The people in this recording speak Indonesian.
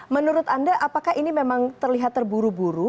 menurut anda apakah ini memang terlihat terburu buru